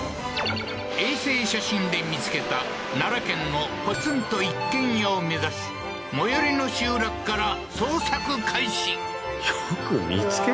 衛星写真で見つけた奈良県のポツンと一軒家を目指し最寄りの集落から捜索開始よく見つけたな